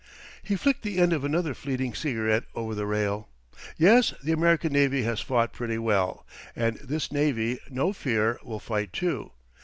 He flicked the end of another fleeting cigarette over the rail. "Yes, the American navy has fought pretty well, and this navy, no fear, will fight too.